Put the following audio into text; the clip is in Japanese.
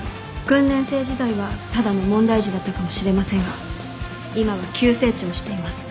訓練生時代はただの問題児だったかもしれませんが今は急成長しています。